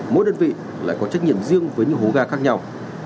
mỗi đơn vị lại có trách nhiệm riêng với những hố ga khác nhau